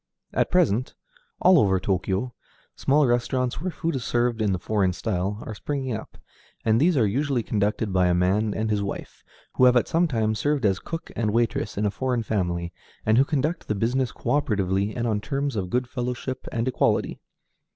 At present, all over Tōkyō, small restaurants, where food is served in the foreign style, are springing up, and these are usually conducted by a man and his wife who have at some time served as cook and waitress in a foreign family, and who conduct the business cöoperatively and on terms of good fellowship and equality.